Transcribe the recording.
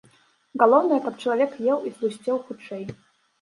Галоўнае, каб чалавек еў і тлусцеў хутчэй.